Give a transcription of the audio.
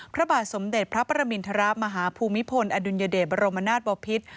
พระบาทสมเด็จพระประมินทรมาฮภูมิพลอดุลยเดชบรมนาศบอพิษ